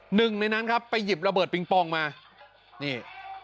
หนึ่งในนั้นครับไปหยิบระเบิดปิงปองมานี่